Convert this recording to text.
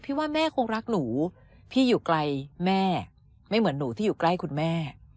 ว่าแม่คงรักหนูพี่อยู่ไกลแม่ไม่เหมือนหนูที่อยู่ใกล้คุณแม่